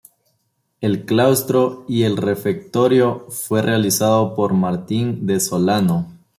El claustro y el refectorio fue realizado por Martín de Solano.